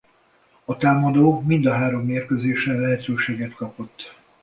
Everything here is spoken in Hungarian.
A támadó mind a három mérkőzésen lehetőséget kapott.